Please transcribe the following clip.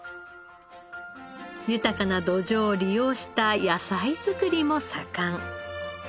豊かな土壌を利用した野菜作りも盛ん。